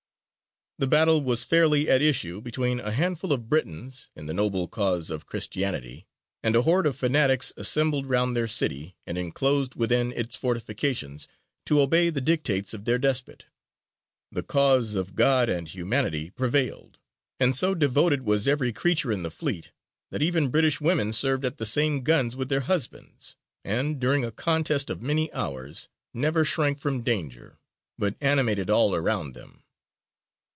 "The battle was fairly at issue between a handful of Britons, in the noble cause of Christianity, and a horde of fanatics, assembled round their city, and enclosed within its fortifications, to obey the dictates of their Despot. The cause of God and humanity prevailed; and so devoted was every creature in the fleet, that even British women served at the same guns with their husbands, and, during a contest of many hours, never shrank from danger, but animated all around them."